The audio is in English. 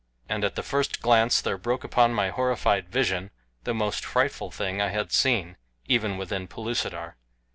And at the first glance there broke upon my horrified vision the most frightful thing I had seen even within Pellucidar.